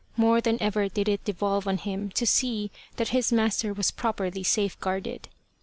More than ever did it devolve on him to see that his master was properly safeguarded.